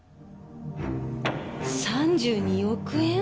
３２億円？